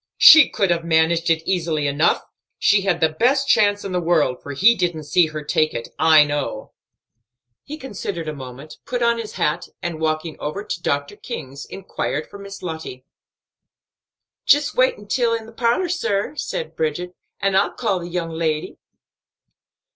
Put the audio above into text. "She could have managed it easily enough; she had the best chance in the world, for he didn't see her take it, I know." He considered a moment, put on his hat, and, walking over to Dr. King's, inquired for Miss Lottie. "Jist walk intil the parlor, sir," said Bridget, "an' I'll call the young lady."